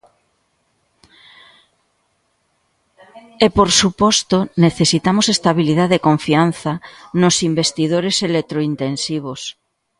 E, por suposto, necesitamos estabilidade e confianza nos investidores electrointensivos.